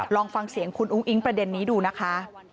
ลองฟังเสียงคุณอุ้งอิ๊งประเด็นนี้ดูนะคะ